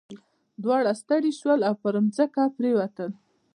دواړه ستړي شول او په ځمکه پریوتل.